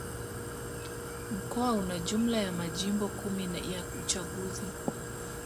Mkoa una jumla ya Majimbo kumi ya uchaguzi